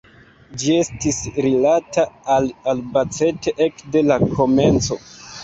Ĝi estis rilata al Albacete ekde la komenco.